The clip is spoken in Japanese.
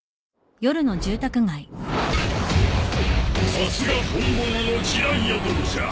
さすが本物の児雷也殿じゃ！